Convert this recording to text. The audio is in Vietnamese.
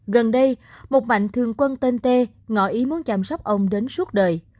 gần đây một mạnh thường quân tên tê ngọ ý muốn chăm sóc ông đến suốt đời